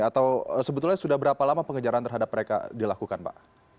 atau sebetulnya sudah berapa lama pengejaran terhadap mereka dilakukan pak